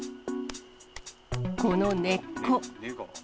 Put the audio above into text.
この根っこ。